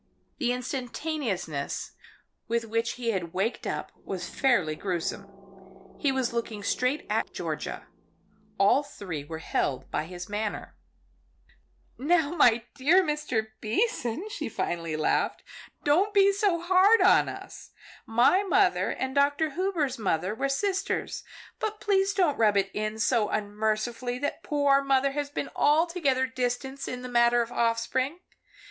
The instantaneousness with which he had waked up was fairly gruesome. He was looking straight at Georgia; all three were held by his manner. "Now my dear Mr. Beason," she laughed finally, "don't be so hard on us. My mother and Dr. Hubers' mother were sisters, but please don't rub it in so unmercifully that poor mother has been altogether distanced in the matter of offspring.